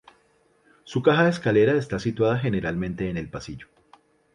La caja de la escalera está situada generalmente en el pasillo.